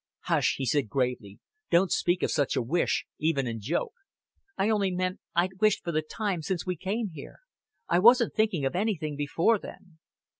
"Hush," he said, gravely. "Don't speak of such a wish, even in joke." "I only meant I'd wish for the time since we came here. I wasn't thinking of anything before then."